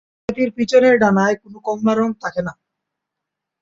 এই প্রজাতির পিছনের ডানায় কোনো কমলা রঙ থাকে না।